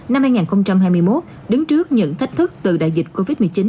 năm hai nghìn hai mươi một đứng trước những thách thức từ đại dịch covid một mươi chín